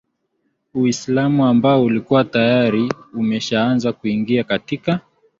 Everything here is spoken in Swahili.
Uislamu ambao ulikuwa tayari umeshaaza kuingia katika